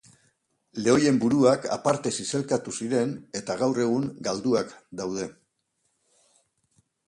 Lehoien buruak aparte zizelkatu ziren eta gaur egun galduak daude.